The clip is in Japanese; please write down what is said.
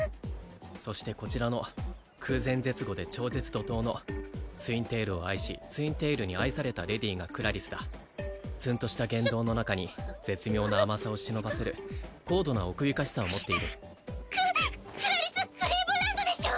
そしてこちらの空前絶後で超絶怒とうのツインテールを愛しツインテールに愛されたレディがクラリスだツンとした言動の中に絶妙な甘さを忍ばせる高度な奥ゆかしさを持っているククラリス＝クリーヴランドでしゅ